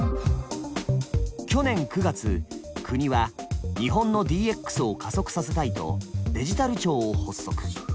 去年９月国は日本のＤＸを加速させたいと「デジタル庁」を発足。